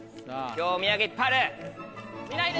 今日お土産いっぱいある！